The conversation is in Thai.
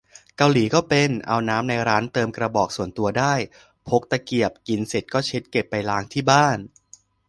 เกาหลีก็เป็น เอาน้ำในร้านเติมกระบอกส่วนตัวได้ พกตะเกียบ กินเสร็จก็เช็ดเก็บไปล้างที่บ้าน